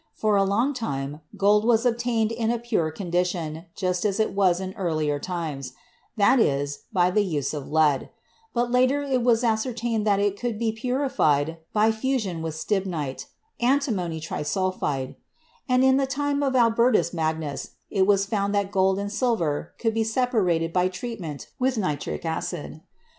For a long time, gold was ob tained in a pure condition just as it was in earlier times — that is, by the use of lead; but later it was ascertained that it could be purified by fusion with stibnite (antimony trisulfide), and in the time of Albertus Magnus it was found that gold and silver could be separated by treatment with nitric acid.